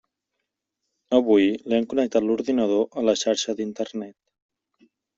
Avui li han connectat l'ordinador a la xarxa d'Internet.